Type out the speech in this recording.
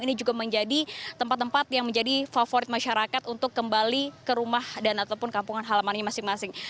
ini juga menjadi tempat tempat yang menjadi favorit masyarakat untuk kembali ke rumah dan ataupun kampung halamannya masing masing